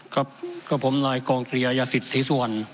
ครับก็ผมนายกองเกลียยสิทธิสวรรค์